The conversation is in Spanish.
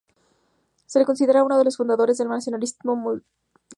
Se le considera uno de los fundadores del nacionalismo musical puertorriqueño.